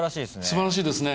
素晴らしいですね。